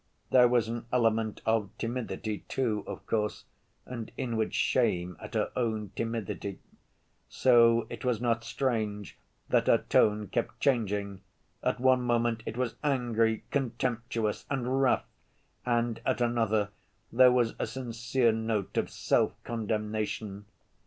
There was an element of timidity, too, of course, and inward shame at her own timidity, so it was not strange that her tone kept changing. At one moment it was angry, contemptuous and rough, and at another there was a sincere note of self‐ condemnation.